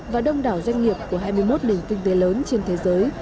và đông đảo doanh nghiệp của hai mươi một nền kinh tế lớn trên thế giới